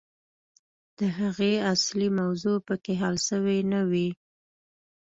د هغې اصلي موضوع پکښې حل سوې نه وي.